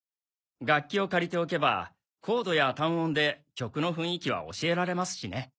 楽器を借りておけばコードや単音で曲の雰囲気は教えられますしね。